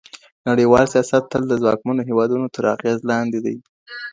نړيوال سياست تل د ځواکمنو هېوادونو تر اغېز لاندې دی.